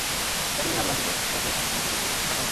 তাকে দিয়ে নারী লাঞ্ছিত হয়েছে, এমন কোনো ছবি পুলিশের কাছেও নেই।